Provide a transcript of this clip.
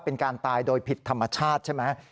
เป็นการตายโดยผิดธรรมชาติใช่ไหม